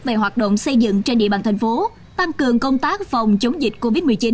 về hoạt động xây dựng trên địa bàn thành phố tăng cường công tác phòng chống dịch covid một mươi chín